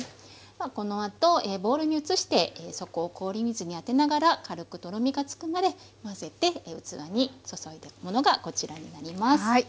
このあとボウルに移して底を氷水に当てながら軽くとろみがつくまで混ぜて器に注いだものがこちらになります。